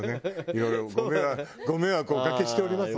いろいろご迷惑をおかけしております